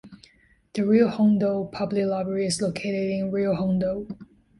The Rio Hondo Public Library is located in Rio Hondo.